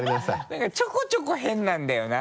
何かちょこちょこ変なんだよな。